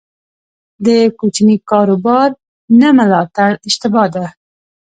د کوچني کاروبار نه ملاتړ اشتباه ده.